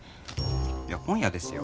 いや本屋ですよ。